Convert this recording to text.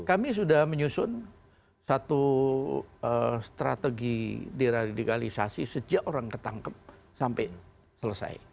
kami sudah menyusun satu strategi diradikalisasi sejak orang ketangkep sampai selesai